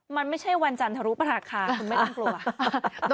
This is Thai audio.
มันไม่ใช่วันจันทรุปราคาคุณไม่ต้องกลัว